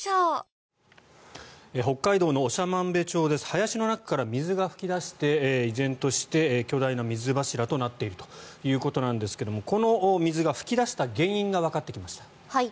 林の中から水が噴き出して依然として巨大な水柱となっているということなんですがこの水が噴き出した原因がわかってきました。